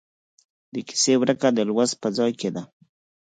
د کیسې ورکه د لوست په ځای کې ده.